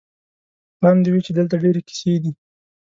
پام دې وي چې دلته ډېرې کیسې دي.